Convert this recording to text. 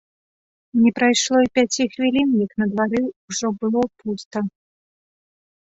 Не прайшло і пяці хвілін, як на двары ўжо было пуста.